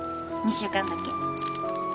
２週間だけ。